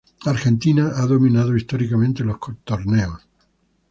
Argentina ha dominado históricamente los torneos.